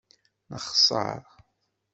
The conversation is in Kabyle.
Nexṣeṛ.